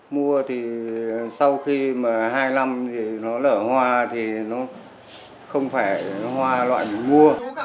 mua thì sau khi mà hai năm thì nó lở hoa thì nó không phải nó hoa loại mình mua